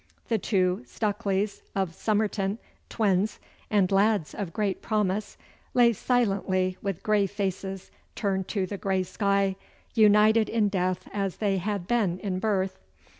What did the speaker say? The two Stukeleys of Somerton, twins, and lads of great promise, lay silently with grey faces turned to the grey sky, united in death as they had been in birth.